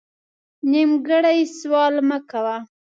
نیمګړی سوال مه کوه